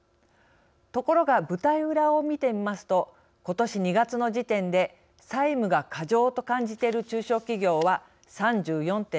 ところが、舞台裏を見てみますとことし２月の時点で債務が過剰と感じている中小企業は、３４．７％。